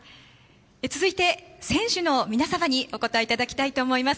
続いて、選手の皆様にお答えいただきたいと思います。